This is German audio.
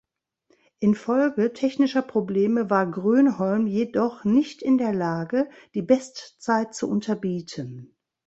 Infolge technischer Probleme war Grönholm jedoch nicht in der Lage, die Bestzeit zu unterbieten.